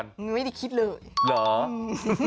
ยังไม่ได้คิดเลยหรือฮ่า